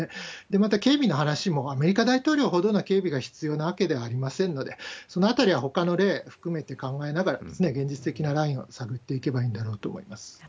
また警備の話も、アメリカ大統領ほどの警備が必要なわけではありませんので、そのあたりはほかの例を含めて考えながら、現実的なラインを探っていけばいいんだろうと思います。